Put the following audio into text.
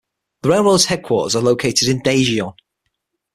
The railroad's headquarters are located in Daejeon.